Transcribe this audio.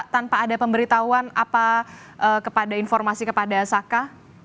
tanpa ada pemberitahuan apa kepada informasi kepada saka